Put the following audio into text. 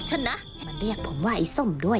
ความลับของแมวความลับของแมว